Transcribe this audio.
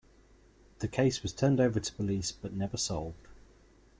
The case was turned over to police, but never solved.